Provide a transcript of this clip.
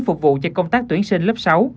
phục vụ cho công tác tuyển sinh lớp sáu